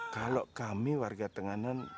kalau kami warga tenganan